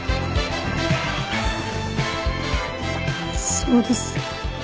そうです。